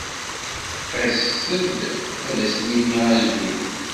As-d ad asen-nini azul.